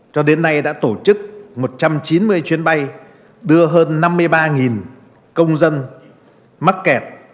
cho đến nay đã tổ chức một trăm chín mươi chuyến bay đưa hơn năm mươi ba công dân mắc kẹt